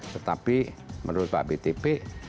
tetapi menurut pak btp